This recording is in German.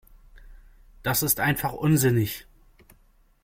Das ist einfach unsinnig.